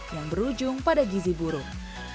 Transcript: yang berujung pada gizi buruk